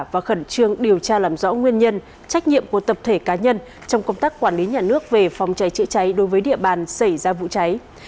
và khẩn trương điều tra làm rõ nguyên nhân trách nhiệm của tập thể cá nhân trong công tác quản lý nhà nước về phòng cháy chữa cháy đối với địa bàn xảy ra vụ cháy